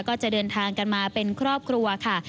ก็จะเดินทางกันมาเป็นครอบครัวค่ะ